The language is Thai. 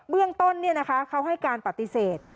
เรื่องต้นเขาให้การปฏิเสธ